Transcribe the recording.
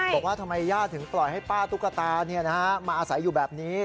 บอกว่าทำไมย่าถึงปล่อยให้ป้าตุ๊กตามาอาศัยอยู่แบบนี้